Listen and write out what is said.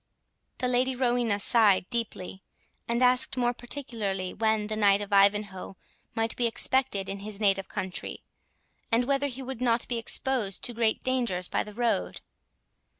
The Lady Rowena sighed deeply, and asked more particularly when the Knight of Ivanhoe might be expected in his native country, and whether he would not be exposed to great dangers by the road.